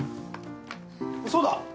そうだ！